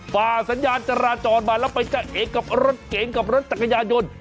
ฝ่าสัญญาณจราจรมาแล้วไปจะเอกกับรถเก๋งกับรถจักรยานยนต์